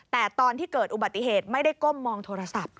แต่ตอนที่เกิดอุบัติเหตุไม่ได้ก้มมองโทรศัพท์